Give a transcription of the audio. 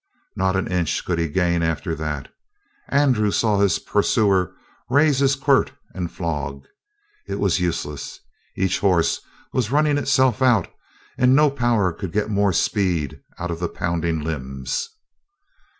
Not an inch could he gain after that. Andrew saw his pursuer raise his quirt and flog. It was useless. Each horse was running itself out, and no power could get more speed out of the pounding limbs.